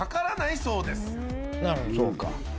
そうか